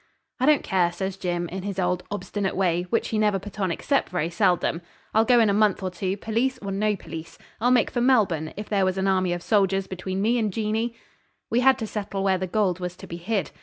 'I don't care,' says Jim, in his old, obstinate way, which he never put on except very seldom. 'I'll go in a month or two police or no police. I'll make for Melbourne if there was an army of soldiers between me and Jeanie.' We had to settle where the gold was to be hid.